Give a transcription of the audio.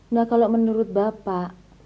nah kalau menurut bapak